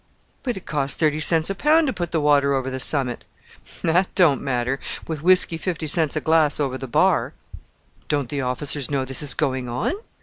"But it costs thirty cents a pound to put the water over the summit!" "That don't matter with whisky fifty cents a glass over the bar." "Don't the officers know this is going on?"